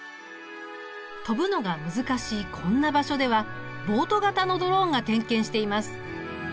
飛ぶのが難しいこんな場所ではボート型のドローンが点検しています。